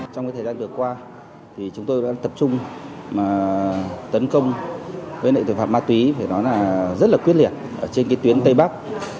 trong thời gian vừa qua chúng tôi đã tập trung tấn công tội phạm ma túy rất quyết liệt trên tuyến tây bắc